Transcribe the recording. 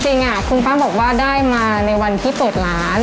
จริงคุณป้าบอกว่าได้มาในวันที่เปิดร้าน